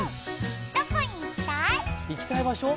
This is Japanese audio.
どこに行きたい？